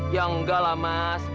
ya enggak lah mas